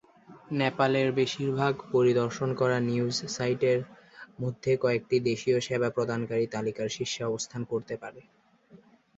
নেপালের বেশিরভাগ পরিদর্শন করা নিউজ সাইটের মধ্যে কয়েকটি দেশীয় সেবা প্রদানকারী তালিকার শীর্ষে অবস্থান করতে পারে।